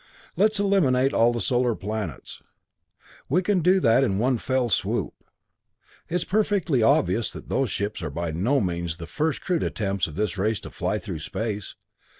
Let's eliminate all the solar planets we can do that at one fell swoop. It's perfectly obvious that those ships are by no means the first crude attempts of this race to fly through space.